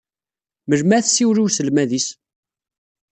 Melmi ad tsiwel i uselmad-is?